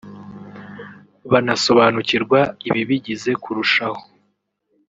bakanasobanukirwa ibibigize kurushaho